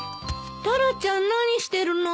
タラちゃん何してるの？